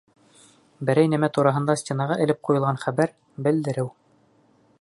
Берәй нәмә тураһында стенаға элеп ҡуйылған хәбәр, белдереү.